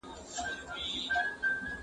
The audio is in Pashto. زه له سهاره ځواب ليکم،